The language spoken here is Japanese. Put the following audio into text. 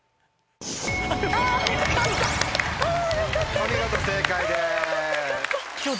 お見事正解です。